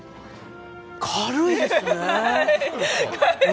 軽いですね、ええ。